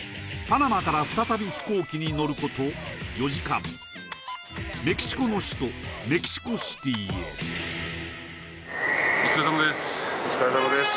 パナマから再び飛行機に乗ること４時間メキシコの首都メキシコシティへお疲れさまです